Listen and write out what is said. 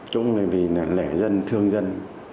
chúng vì lẻ dân thương dân